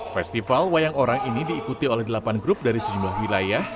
festival wayang orang ini diikuti oleh delapan grup dari sejumlah wilayah